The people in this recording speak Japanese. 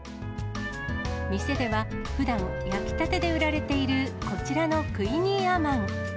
店ではふだん、焼きたてで売られているこちらのクイニーアマン。